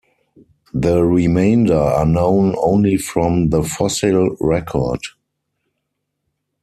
The remainder are known only from the fossil record.